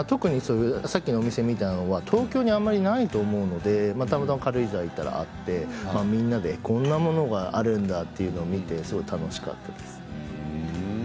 さっきのお店みたいなものは東京にあまりないと思うのでたまたま軽井沢に行ったらあってみんなでこんなものがあるんだとすごい楽しかったです。